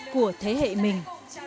của thế hệ mình